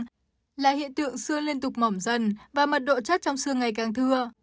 bệnh lõa xương là hiện tượng xương liên tục mỏm dần và mật độ chắc trong xương ngày càng thưa